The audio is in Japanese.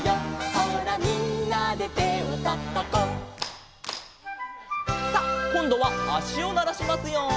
「ほらみんなで手をたたこう」「」さあこんどはあしをならしますよ。